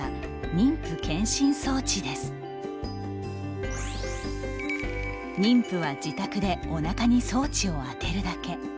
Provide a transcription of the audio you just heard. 妊婦は自宅でおなかに装置をあてるだけ。